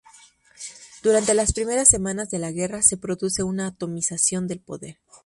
Durante las primeras semanas de la guerra se produce una atomización del poder.